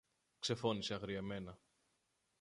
ξεφώνισε αγριεμένα